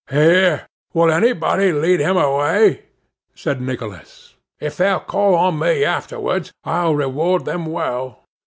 'Here! will anybody lead him away?' said Nicholas: 'if they'll call on me afterwards, I'll reward them well.